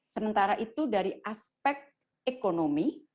sementara itu dari aspek ekonomi